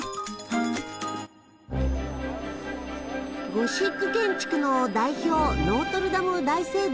ゴシック建築の代表ノートルダム大聖堂。